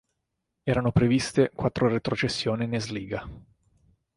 Erano previste quattro retrocessioni in Esiliiga.